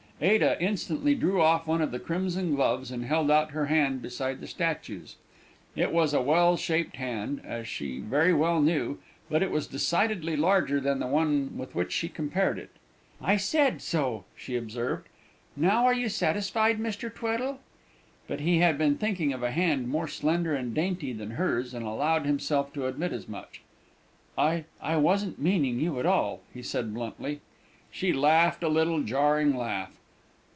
Ada instantly drew off one of the crimson gloves and held out her hand beside the statue's. It was a well shaped hand, as she very well knew, but it was decidedly larger than the one with which she compared it. "I said so," she observed; "now are you satisfied, Mr. Tweddle?" But he had been thinking of a hand more slender and dainty than hers, and allowed himself to admit as much. "I I wasn't meaning you at all," he said bluntly. She laughed a little jarring laugh.